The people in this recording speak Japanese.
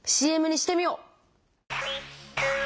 ＣＭにしてみよう！